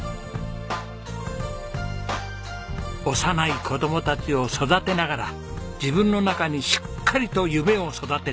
幼い子供たちを育てながら自分の中にしっかりと夢を育てていた真由美さん。